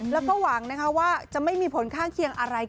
แล้วก็หวังนะคะว่าจะไม่มีผลข้างเคียงอะไร